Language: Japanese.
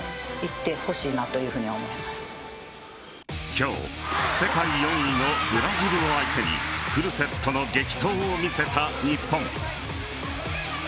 今日世界４位のブラジルを相手にフルセットの激闘を見せた日本。